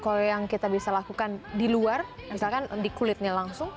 kalau yang kita bisa lakukan di luar misalkan di kulitnya langsung